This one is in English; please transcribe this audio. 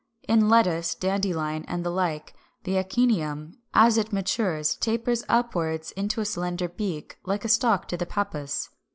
In Lettuce, Dandelion (Fig. 384), and the like, the achenium as it matures tapers upwards into a slender beak, like a stalk to the pappus.